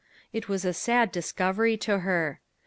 It was a sad discovery to her.